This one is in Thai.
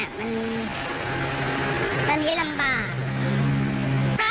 ลูกเอาหมดเข้าทางมัน